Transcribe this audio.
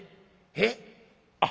「えっ？